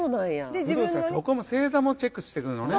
不動さんそこも星座もチェックしてるのね。